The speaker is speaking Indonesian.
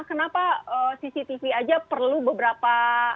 kenapa cctv aja perlu beberapa